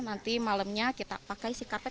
nanti malamnya kita pakai si karpet